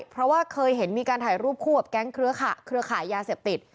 เพราะว่าเคยเห็นมีการถ่ายรูปคู่กับแก๊งเครือขายยาเสพติด